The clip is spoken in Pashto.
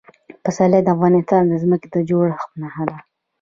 پسرلی د افغانستان د ځمکې د جوړښت نښه ده.